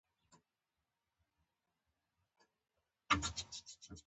پس له مرگه به همه واړه مظلوم وي ظالمان و ستمگار د دې دنيا